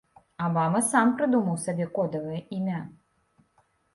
Абама сам прыдумаў сабе кодавае імя.